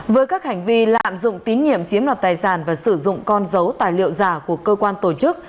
với các hành vi lạm dụng tín nhiệm chiếm đoạt tài sản và sử dụng con dấu tài liệu giả của cơ quan tổ chức